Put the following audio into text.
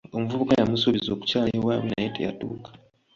Omuvubuka yamusuubiza okukyala ewaabwe naye teyatuuka.